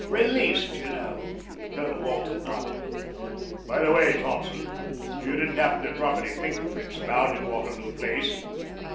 Released, you know." Colonel Walton nodded. "By the way, Thompson, you didn't happen to drop any finger prints about in Waterloo Place?"